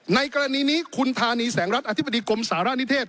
ในกรณีนี้คุณธานีแสงรัฐอธิบดีกรมสารณิเทศ